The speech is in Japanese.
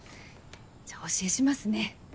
じゃあお教えしますね。